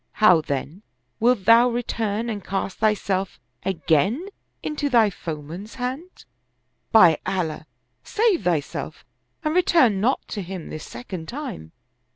How, then, wilt thou return and cast thyself again into thine foeman's hand? By Allah, save thyself and return not to him this second time.